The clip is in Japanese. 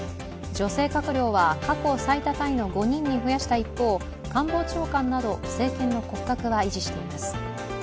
女性閣僚は過去最多タイの５人に増やした一方官房長官など、政権の骨格は維持しています。